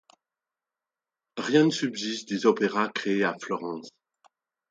Rien ne subsiste des opéras créés à Florence.